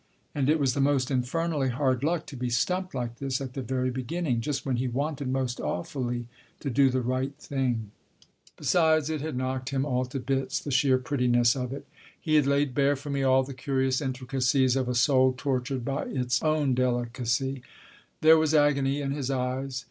And it was the most infernally hard luck to be stumped like this at the very beginning, just when he wanted most awfully to do the right thing. 30 Tasker Jevons Besides, it had knocked him all to bits the sheer prettiness of it. He laid bare for me all the curious intricacies of a soul tortured by its own delicacy. There was agony in his eyes.